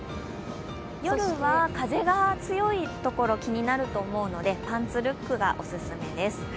夜は風が強いところ気になると思うので、パンツルックがお勧めです。